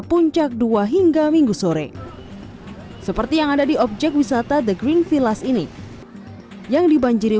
puncak dua hingga minggu sore seperti yang ada di objek wisata the green villace ini yang dibanjiri